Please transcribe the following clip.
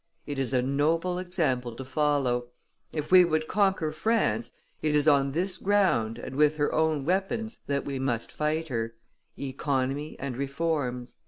It is a noble example to follow: if we would conquer France, it is on this ground and with her own weapons that we must fight her: economy and reforms."